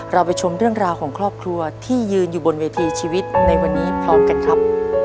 เราไปชมเรื่องราวของครอบครัวที่ยืนอยู่บนเวทีชีวิตในวันนี้พร้อมกันครับ